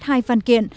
hai văn kiện